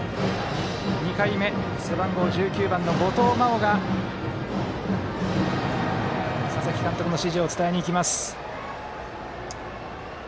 ２回目、背番号１９の五嶋真生が佐々木監督の指示を伝えに行きます。